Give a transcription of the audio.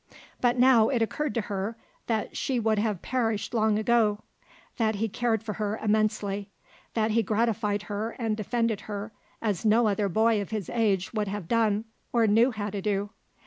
But now it occurred to her that she would have perished long ago; that he cared for her immensely; that he gratified her and defended her as no other boy of his age would have done or knew how to do.